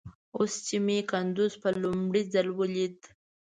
اوس چې مې کندوز په لومړي ځل وليد.